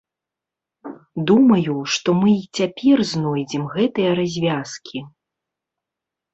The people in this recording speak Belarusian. Думаю, што мы і цяпер знойдзем гэтыя развязкі.